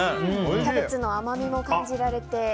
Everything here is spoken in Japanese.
キャベツの甘みも感じられて。